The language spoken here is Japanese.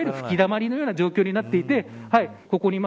吹きだまりのような状況になっています。